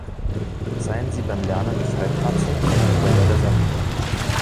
Seien Sie beim Lernen nicht halbherzig, sondern voll bei der Sache.